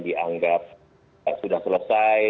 dianggap sudah selesai